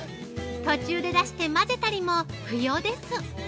途中で出して混ぜたりも不要です。